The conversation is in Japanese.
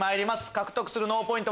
獲得する脳ポイント